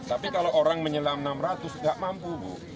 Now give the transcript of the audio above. tapi kalau orang menyelam enam ratus nggak mampu bu